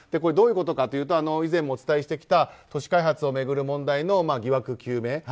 どういうことかというと以前もお伝えしてきた都市開発を巡る問題の疑惑究明。